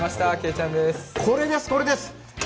これですこれです。